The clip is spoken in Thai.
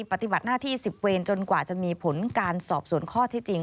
ปฏิบัติหน้าที่๑๐เวรจนกว่าจะมีผลการสอบสวนข้อที่จริง